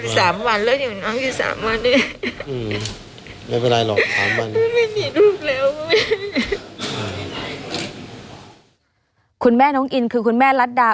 สามวันแล้วไม่เป็นไรหรอกคุณแม่น้องอินคือคุณแม่รัฐดา